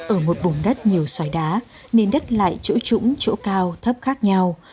ở một vùng đất nhiều xoài đá nên đất lại chỗ trũng chỗ cao thấp khác nhau